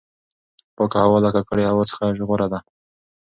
پاکه هوا له ککړې هوا څخه غوره ده.